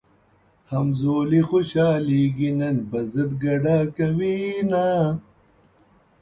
همزولي خوشحالېږي نن پۀ ضد ګډا کوينه